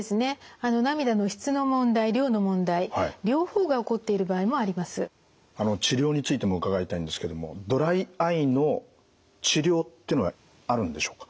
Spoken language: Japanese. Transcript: あの治療についても伺いたいんですけどもドライアイの治療っていうのはあるんでしょうか？